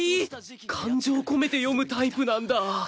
感情込めて読むタイプなんだあ